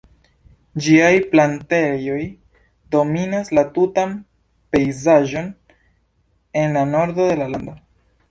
Ĝiaj plantejoj dominas la tutan pejzaĝon en la nordo de la lando.